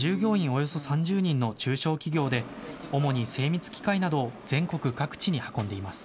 およそ３０人の中小企業で、主に精密機械などを全国各地に運んでいます。